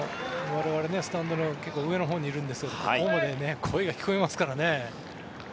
我々、スタンドの上のほうにいるんですがここまで声が聞こえますからね。